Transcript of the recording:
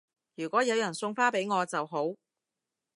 如果有人送花俾我就好